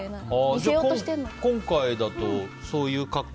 今回だと、そういう格好？